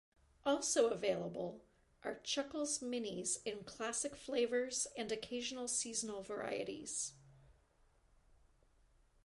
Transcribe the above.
Also available are Chuckles Minis in classic flavors and occasional seasonal varieties.